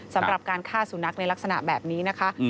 สำหรับการฆ่าสุนัขในลักษณะแบบนี้นะคะ